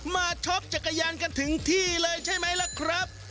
ช็อปจักรยานกันถึงที่เลยใช่ไหมล่ะครับ